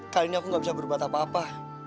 kali ini aku gak bisa berubah tak apa apa